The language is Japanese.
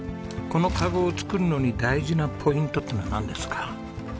このカゴを作るのに大事なポイントっていうのはなんですか？